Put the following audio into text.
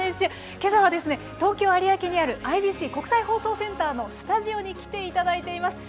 けさはですね、東京・有明にあるＩＢＣ国際放送センターのスタジオに来ていただいています。